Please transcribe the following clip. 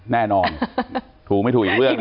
แน่นอนถูกไม่ถูกอีกเรื่องนะ